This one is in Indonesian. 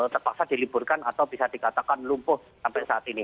terpaksa diliburkan atau bisa dikatakan lumpuh sampai saat ini